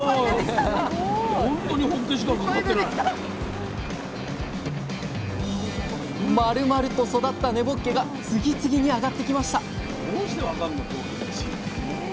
まるまると育った根ぼっけが次々にあがってきました！